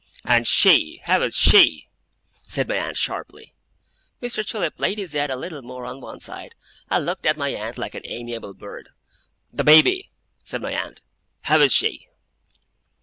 'And SHE. How is SHE?' said my aunt, sharply. Mr. Chillip laid his head a little more on one side, and looked at my aunt like an amiable bird. 'The baby,' said my aunt. 'How is she?